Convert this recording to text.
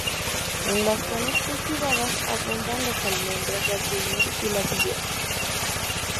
En las zonas cultivadas abundan los almendros, las viñas y las higueras.